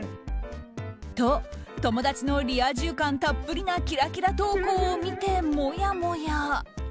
と、友達のリア充感たっぷりなキラキラ投稿を見て、もやもや。